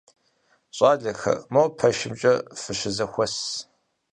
Щӏалэхэр мо пэшымкӏэ фыщызэхуэс.